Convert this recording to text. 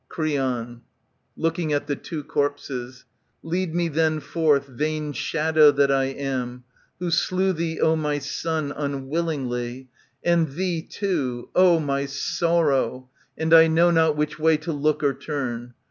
Creon, [Looking at the two corpses,'] Lead me then forth, vain shadow that I am, ^ Who slew thee, O my son, unwillingly, ^^^^ And thee too — (O my sorrow !)— and I know not Which way to look or turn.